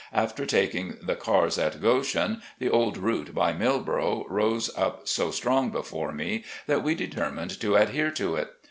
After taking the cars at Goshen, the old route by Milboro' rose up so strong before me that we determined to adhere to it.